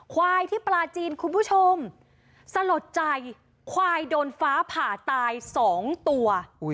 ควายที่ปลาจีนคุณผู้ชมสลดใจควายโดนฟ้าผ่าตาย๒ตัว